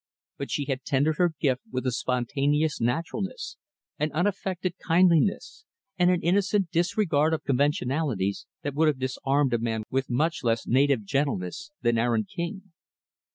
But she had tendered her gift with a spontaneous naturalness, an unaffected kindliness, and an innocent disregard of conventionalities, that would have disarmed a man with much less native gentleness than Aaron King.